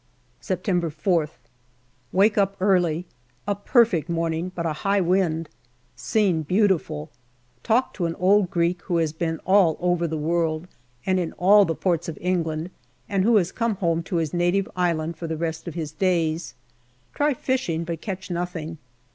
September 4>th. Wake up early. A perfect morning, but a high wind. Scene beautiful. Talk to an old Greek, who has been all over the world, and in all the ports of England, and who has come home to his native island for the rest of his days. Try fishing, but catch nothing.